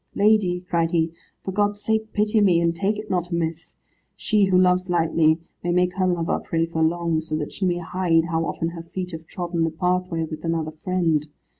"Lady," cried he, "for God's sake pity me, and take it not amiss. She, who loves lightly, may make her lover pray for long, so that she may hide how often her feet have trodden the pathway with another friend.